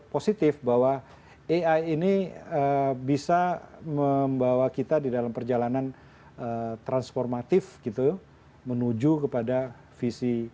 positif bahwa ai ini bisa membawa kita di dalam perjalanan transformatif gitu menuju kepada visi